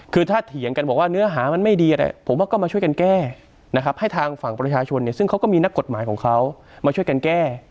คือถ้าเถียงกันบอกว่าเนื้อหามันไม่ดีผมว่าก็มาช่วยกันแก้นะครับให้ทางฝั่งประชาชนเนี่ยซึ่งเขาก็มีนักกฎหมายของเขามาช่วยกันแก้